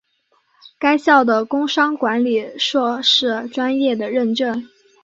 该校的工商管理硕士专业的认证。